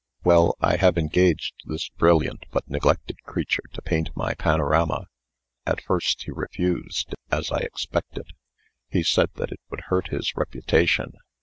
Well, I have engaged this brilliant but neglected creature to paint my panorama. At first he refused as I expected. He said that it would hurt his reputation.